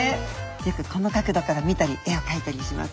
よくこの角度から見たり絵を描いたりします。